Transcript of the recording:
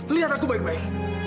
lihat aku baik baik